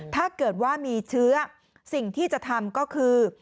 ถ้าเกิดว่ามีเชื้อสิ่งที่จะทำก็คือ